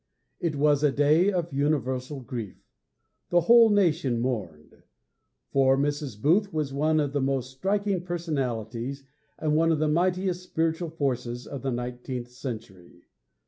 It was a day of universal grief. The whole nation mourned. For Mrs. Booth was one of the most striking personalities, and one of the mightiest spiritual forces, of the nineteenth century.